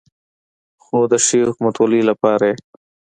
خو د ښې حکومتولې لپاره یې